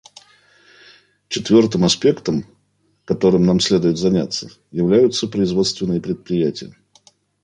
Четвертым аспектом, которым нам следует заняться, являются производственные предприятия.